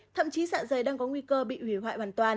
thậm chí dạ dày đang có nguy cơ bị hủy hoại hoàn toàn